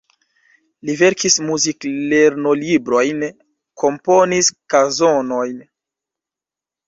Li verkis muzik-lernolibrojn, komponis kanzonojn.